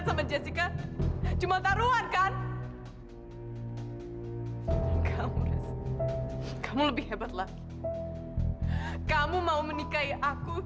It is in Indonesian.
sampai jumpa di video selanjutnya